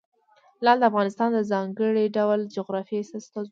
لعل د افغانستان د ځانګړي ډول جغرافیه استازیتوب کوي.